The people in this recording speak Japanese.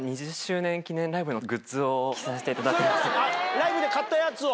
ライブで買ったやつを？